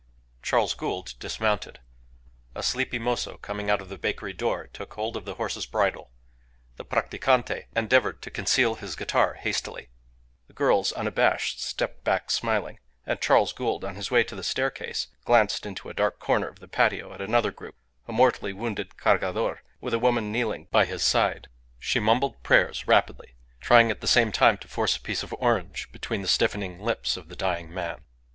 Charles Gould dismounted. A sleepy mozo coming out of the bakery door took hold of the horse's bridle; the practicante endeavoured to conceal his guitar hastily; the girls, unabashed, stepped back smiling; and Charles Gould, on his way to the staircase, glanced into a dark corner of the patio at another group, a mortally wounded Cargador with a woman kneeling by his side; she mumbled prayers rapidly, trying at the same time to force a piece of orange between the stiffening lips of the dying man.